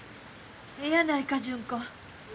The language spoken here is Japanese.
えやないか純子。